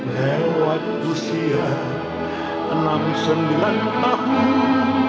lewat usia enam puluh sembilan tahun